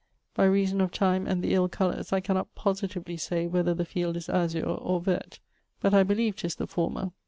By reason of time and the ill colours I cannot positively say whether the field is azure or vert, but I beleeve 'tis the former.'